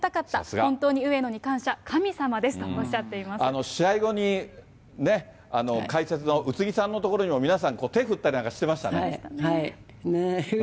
本当に上野に感謝、神様ですとお試合後に、ね、解説の宇津木さんのところにも、皆さん、手振ったりなんかしてましたね？